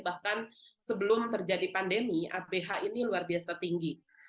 bahkan sebelum terjadi pandemi abh ini luar biasa tinggi